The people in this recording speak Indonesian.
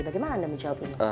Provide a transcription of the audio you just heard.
bagaimana anda menjawab ini